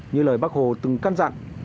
như lời bác hồ từng căn dặn